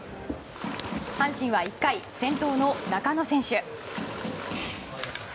阪神は１回、先頭の中野選手。